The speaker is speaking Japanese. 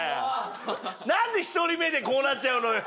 何で１人目でこうなっちゃうのよ。